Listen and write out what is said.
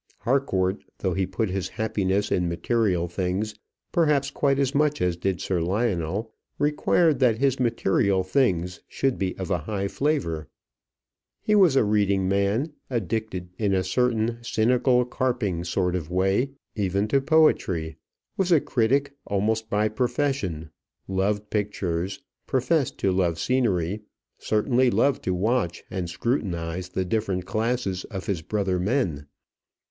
Harcourt, though he put his happiness in material things perhaps quite as much as did Sir Lionel, required that his material things should be of a high flavour. He was a reading man, addicted, in a certain cynical, carping sort of way, even to poetry, was a critic almost by profession, loved pictures, professed to love scenery, certainly loved to watch and scrutinize the different classes of his brother men.